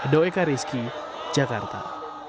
doeka rizky jakarta